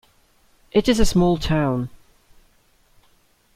It is a small town.